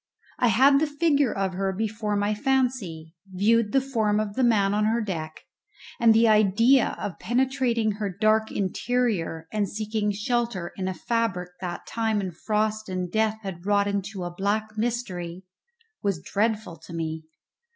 I had the figure of her before my fancy, viewed the form of the man on her deck, and the idea of penetrating her dark interior and seeking shelter in a fabric that time and frost and death had wrought into a black mystery was dreadful to me.